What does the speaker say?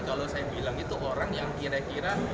kalau saya bilang itu orang yang kira kira